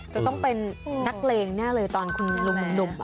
จะต้องเป็นนักเลงแน่เลยตอนคุณลุงหนุ่ม